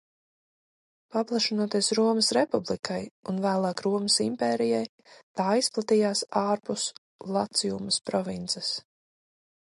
Paplašinoties Romas Republikai un vēlāk Romas impērijai, tā izplatījās ārpus Laciumas provinces.